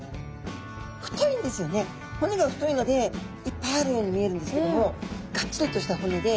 骨が太いのでいっぱいあるように見えるんですけどもがっちりとした骨で。